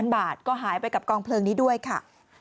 บาทก็หายไปกับกองเพลิงนี้ด้วยค่ะ